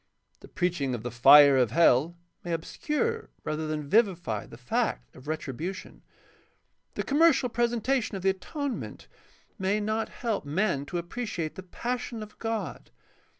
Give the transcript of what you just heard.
The preaching of the fire of hell may obscure rather than vivify the fact of retribution. The commercial presentation of the atonement may not help 590 GUIDE TO STUDY OF CHRISTIAN RELIGION men to appreciate the passion of God.